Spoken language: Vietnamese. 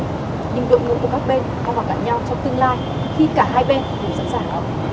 nhưng đội ngũ của các bên có gặp gặp nhau trong tương lai khi cả hai bên đều sẵn sàng